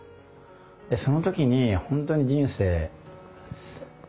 でその時に本当に人生まあ